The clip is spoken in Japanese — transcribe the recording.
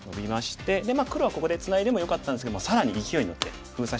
で黒はここでツナいでもよかったんですけど更にいきおいに乗って封鎖しにいきました。